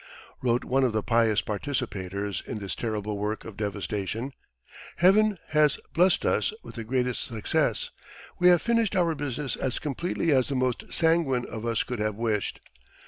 Wrote one of the pious participators in this terrible work of devastation: "Heaven has blest us with the greatest success; we have finished our business as completely as the most sanguine of us could have wished."